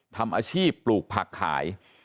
ทำอาชีพปลูกผักขาย